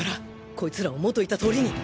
こいつらを元いた通りに！